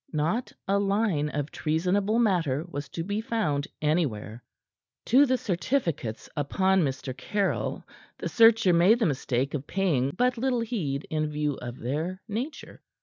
Not a line of treasonable matter was to be found anywhere. To the certificates upon Mr. Caryll the searcher made the mistake of paying but little heed in view of their nature.